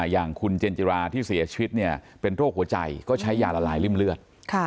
อย่างคุณเจนจิราที่เสียชีวิตเป็นโรคหัวใจก็ใช้ยาละลายริ่มเลือด